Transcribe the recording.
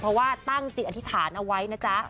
เพราะว่าตั้งจิตอธิษฐานเอาไว้นะจ๊ะ